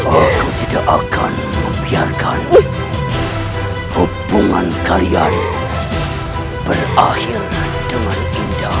aku tidak akan membiarkan hubungan kalian berakhir dengan indah